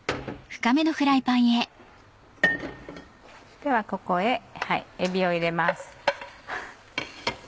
ではここへえびを入れます。